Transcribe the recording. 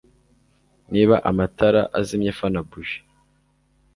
Niba amatara azimye, fana buji.